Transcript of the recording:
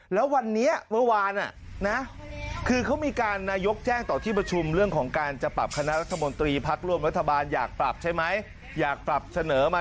แล้ววันนี้เว้ร์วานอ่ะนะ